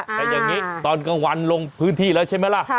แต่อย่างนี้ตอนกลางวันลงพื้นที่แล้วใช่ไหมล่ะ